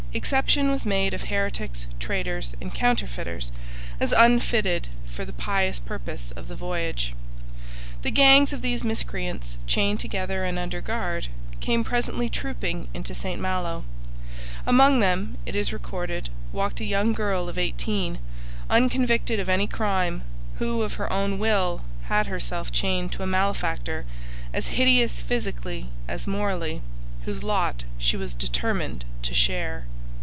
Exception was made of heretics, traitors, and counterfeiters, as unfitted for the pious purpose of the voyage. The gangs of these miscreants, chained together and under guard, came presently trooping into St Malo. Among them, it is recorded, walked a young girl of eighteen, unconvicted of any crime, who of her own will had herself chained to a malefactor, as hideous physically as morally, whose lot she was determined to share.